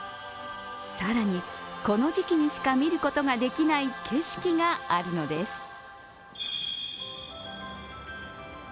更に、この時期にしか見ることができない景色があるのです。